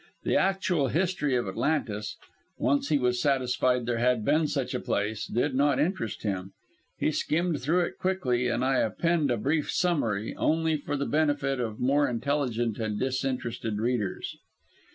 The actual history of Atlantis once he was satisfied there had been such a place did not interest him. He skimmed through it quickly, and I append a brief summary, only, for the benefit of more intelligent and disinterested readers.